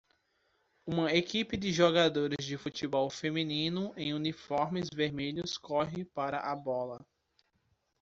Uma equipe de jogadores de futebol feminino em uniformes vermelhos corre para a bola.